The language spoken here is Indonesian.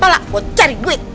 tolak buat cari duit